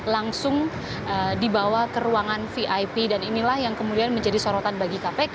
langsung dibawa ke ruangan vip dan inilah yang kemudian menjadi sorotan bagi kpk